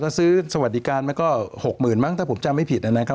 แล้วซื้อสวัสดิการมันก็หกหมื่นมั้งถ้าผมจำไม่ผิดนะครับ